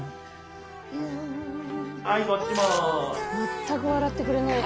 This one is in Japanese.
全く笑ってくれない。